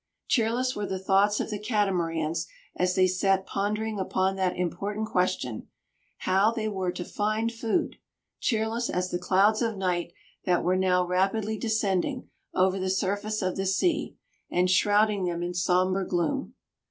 Cheerless were the thoughts of the Catamarans as they sat pondering upon that important question, how they were to find food, cheerless as the clouds of night that were now rapidly descending over the surface of the sea, and shrouding them in sombre gloom.